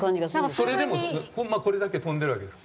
それでもこれだけ飛んでるわけです。